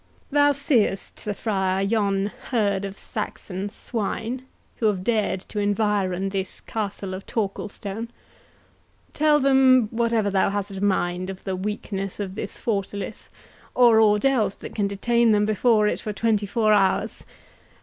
"Thou seest, Sir Friar, yon herd of Saxon swine, who have dared to environ this castle of Torquilstone—Tell them whatever thou hast a mind of the weakness of this fortalice, or aught else that can detain them before it for twenty four hours.